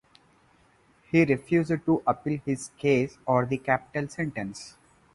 He refused to appeal his case or the capital sentence.